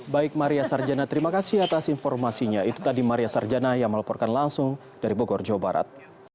baik maria sarjana terima kasih atas informasinya itu tadi maria sarjana yang melaporkan langsung dari bogor jawa barat